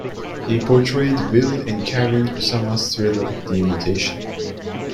He portrayed Will in Karyn Kusama's thriller "The Invitation".